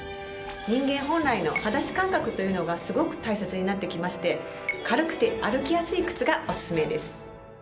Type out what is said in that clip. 人間本来の裸足感覚というのがすごく大切になってきまして軽くて歩きやすい靴がおすすめです。